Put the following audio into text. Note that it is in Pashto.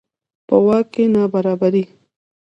په واک کې نابرابري.